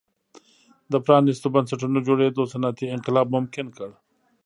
د پرانیستو بنسټونو جوړېدو صنعتي انقلاب ممکن کړ.